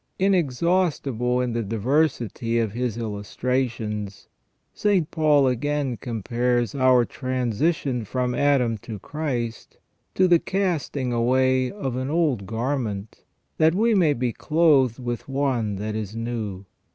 Inexhaustible in the diversity of his illustrations, St. Paul again compares our transition from Adam to Christ to the casting away of an old garment that we may be clothed with one that is new.